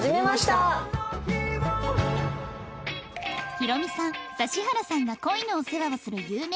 ヒロミさん指原さんが恋のお世話をする有名人